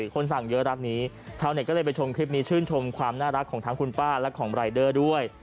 คนสั่งเยอะรักนี้ชาวเน็ตก็เลยไปชมคลิปนี้ชื่นชมความน่ารักของทั้งคุณป้าและของรายเดอร์ด้วย